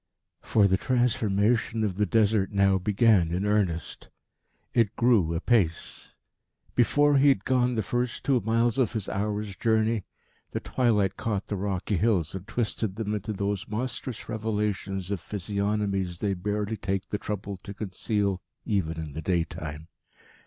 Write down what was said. For the transformation of the Desert now began in earnest. It grew apace. Before he had gone the first two miles of his hour's journey, the twilight caught the rocky hills and twisted them into those monstrous revelations of physiognomies they barely take the trouble to conceal even in the daytime.